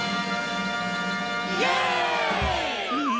イエーイ！